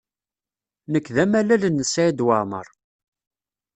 Nekk d amalal n Saɛid Waɛmaṛ.